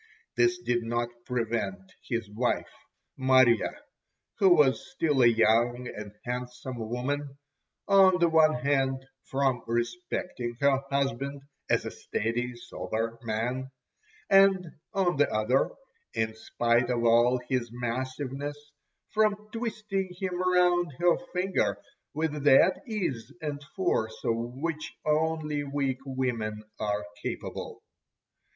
This did not prevent his wife Marya, who was still a young and handsome woman, on the one hand from respecting her husband as a steady, sober man, and on the other, in spite of all his massiveness, from twisting him round her finger with that ease and force of which only weak women are capable.